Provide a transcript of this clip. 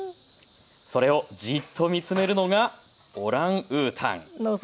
それをじっと見つめるのがオランウータン。